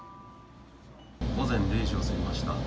午前０時を過ぎました。